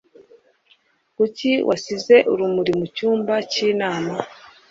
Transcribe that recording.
kuki wasize urumuri mucyumba cy'inama